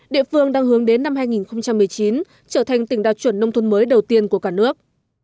địa phương đang hướng đến năm hai nghìn một mươi chín trở thành tỉnh đạt chuẩn nông thôn mới đầu tiên của cả nước